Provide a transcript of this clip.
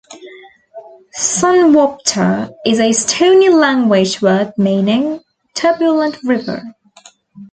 "Sunwapta" is a Stoney language word meaning "turbulent river.